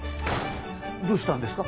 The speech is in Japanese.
どうしたんですか？